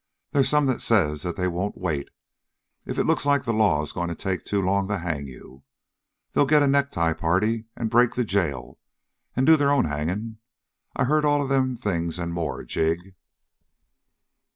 They's some that says that they won't wait, if it looks like the law is going to take too long to hang you. They'll get up a necktie party and break the jail and do their own hanging. I heard all them things and more, Jig."